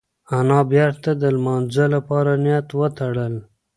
انا بېرته د لمانځه لپاره نیت وتړل.